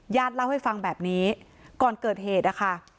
เล่าให้ฟังแบบนี้ก่อนเกิดเหตุนะคะ